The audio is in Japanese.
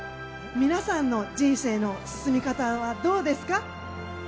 皆さんの人生の進み方はどうですか？